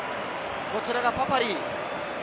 こちらはパパリイ。